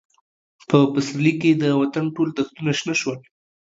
په پسرلي کې د وطن ټول دښتونه شنه شول.